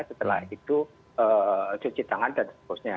setelah itu cuci tangan dan seterusnya